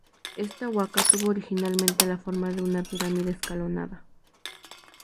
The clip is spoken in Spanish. Esta huaca tuvo originalmente la forma de una pirámide escalonada.